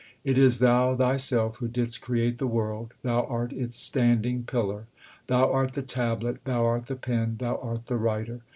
It is thou thyself who didst create the world ; thou art its standing pillar. Thou art the tablet, thou art the pen, thou art the writer.